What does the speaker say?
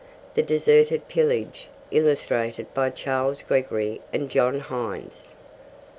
The Deserted Pillage. Illustrated by Charles Gregory and John Hines.